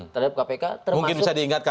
terhadap kpk termasuk